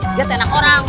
dia tenang orang